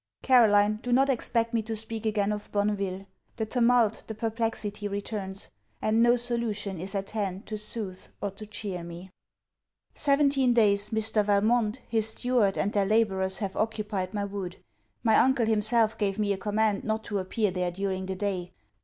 Caroline, do not expect me to speak again of Bonneville. The tumult, the perplexity returns; and no solution is at hand to soothe or to cheer me. Seventeen days, Mr. Valmont, his steward, and their labourers have occupied my wood. My uncle himself gave me a command not to appear there during the day.